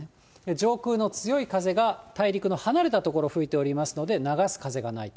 上空の強い風が大陸の離れた所吹いておりますので、流す風がないと。